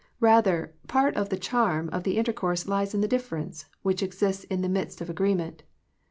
Rather, part of the charm of the intercourse lies in the difference, which exists in the midst of agreement.